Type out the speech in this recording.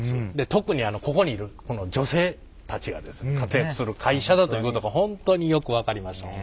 特にここにいる女性たちが活躍する会社だということが本当によく分かりました。